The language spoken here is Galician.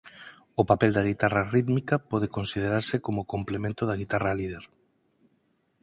O papel da guitarra rítmica pode considerarse como o complemento da guitarra líder.